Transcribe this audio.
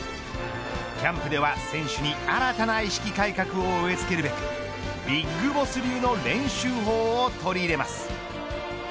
キャンプでは選手に新たな意識改革を植え付けるべくＢＩＧＢＯＳＳ流の練習法を取り入れます。